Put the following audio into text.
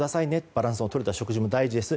バランスのとれた食事も大事です。